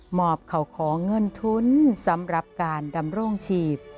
หมอบเขาขอเงินทุนสำหรับการดำรงฉีบ